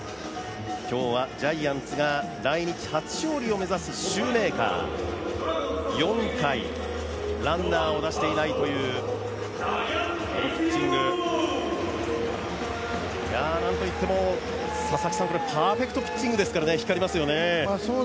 今日はジャイアンツが来日初勝利を目指すシューメーカー、４回、ランナーを出していないというこのピッチングなんといっても、パーフェクトピッチングですから、光りますよね。